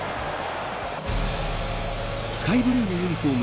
スカイブルーのユニホーム